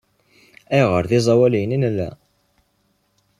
Ayɣer d iẓawaliyen i nella?